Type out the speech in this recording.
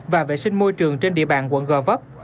và vệ sinh môi trường trên địa bàn quận gò vấp